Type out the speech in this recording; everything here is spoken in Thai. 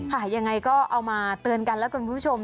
ยังไงก็เอามาเตือนกันแล้วกันคุณผู้ชม